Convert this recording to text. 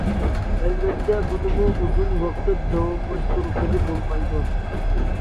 ئەلۋەتتە بۇنىمۇ ئۇزۇن ۋاقىت داۋاملاشتۇرغىلى بولمايدۇ.